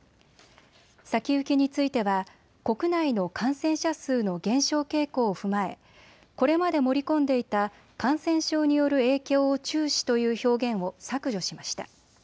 先行きについては国内の感染者数の減少傾向を踏まえこれまで盛り込んでいた感染症による影響を注視という表現を削除しました。